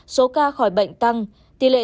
số ca khỏi bệnh tăng tỷ lệ